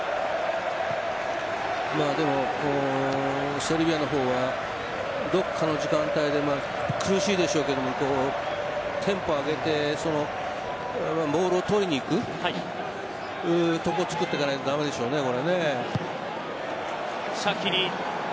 セルビアの方はこの時間帯、苦しいでしょうけどテンポを上げてボールを取りにいくところをつくっていかないと駄目でしょうね、これね。